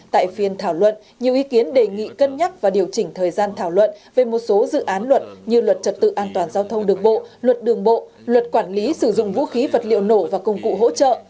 tại phiên thảo luận nhiều ý kiến đề nghị cân nhắc và điều chỉnh thời gian thảo luận về một số dự án luật như luật trật tự an toàn giao thông đường bộ luật đường bộ luật quản lý sử dụng vũ khí vật liệu nổ và công cụ hỗ trợ